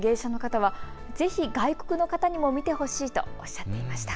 芸歴５０年以上の芸者の方はぜひ外国の方にも見てほしいとおっしゃっていました。